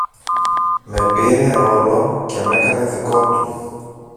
με πήρε όλον και μ' έκανε δικό του.